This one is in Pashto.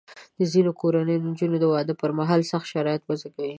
د ځینو کورنیو د نجونو د واده پر مهال سخت شرایط وضع کوي.